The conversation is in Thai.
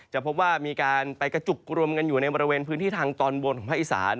พบว่ามีการไปกระจุกรวมกันอยู่ในบริเวณพื้นที่ทางตอนบนของภาคอีสาน